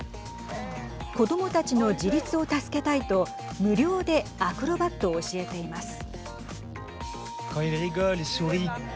子どもたちの自立を助けたいと無料でアクロバットを教えています。